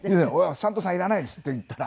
「スタントさんいらないです」って言ったら。